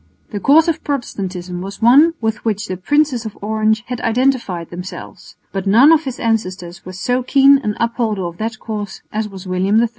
The cause of Protestantism was one with which the Princes of Orange had identified themselves; but none of his ancestors was so keen an upholder of that cause as was William III.